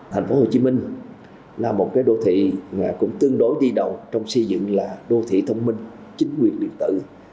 thành phố hồ chí minh là một đô thị cũng tương đối đi đầu trong xây dựng là đô thị thông minh chính quyền điện tử